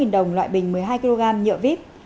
năm trăm ba mươi sáu đồng loại bình một mươi hai kg nhựa vip